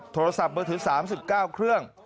โทรศัพท์มือถือ๓๙เครื่อง